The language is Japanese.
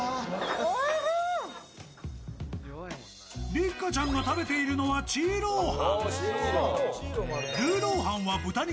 六花ちゃんが食べているのは、チーロー飯。